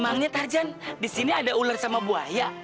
emangnya tarzan disini ada ular sama buaya